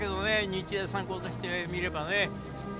日大三高としてみればね。